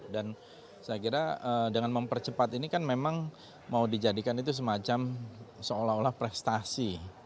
dan saya kira dengan mempercepat ini kan memang mau dijadikan itu semacam seolah olah prestasi